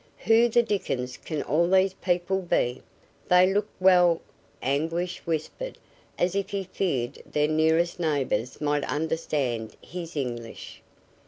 "Who the dickens can all these people be? They look well," Anguish whispered, as if he feared their nearest neighbors might understand his English.